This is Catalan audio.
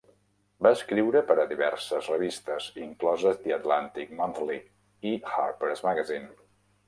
Va escriure per a diverses revistes, incloses "The Atlantic Monthly" i "Harper's Magazine".